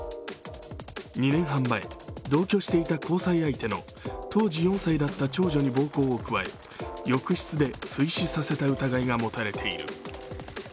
２年半前、同居していた交際相手の当時４歳だった長女に暴行を加え浴室で水死させた疑いが持たれている。